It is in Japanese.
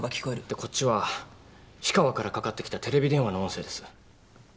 でこっちは氷川からかかってきたテレビ電話の音声です。